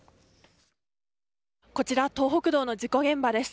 こちら、東北道の事故現場です。